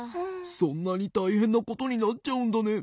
そんなにたいへんなことになっちゃうんだね。